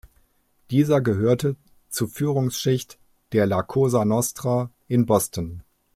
Dieser gehörte zu Führungsschicht der La Cosa Nostra in Boston.